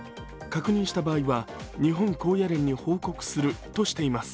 確認した場合は日本高野連に報告するとしています。